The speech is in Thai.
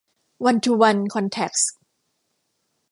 วันทูวัน คอนแทคส์